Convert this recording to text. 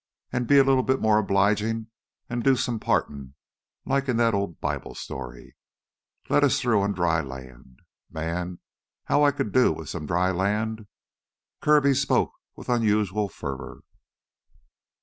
An' be a little more obligin' an' do some partin', like in that old Bible story let us through on dry land. Man, how I could do with some dry land!" Kirby spoke with unusual fervor.